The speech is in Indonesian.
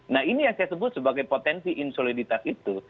nah ini yang saya sebut sebagai potensi insoliditas itu